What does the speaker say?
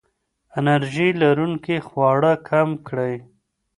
انرژي لرونکي خواړه کم کړئ.